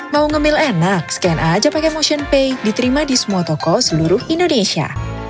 mau nge mail enak scan aja pake motionpay diterima di semua toko seluruh indonesia